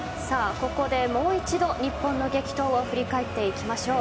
ここでもう一度、日本の激闘を振り返っていきましょう。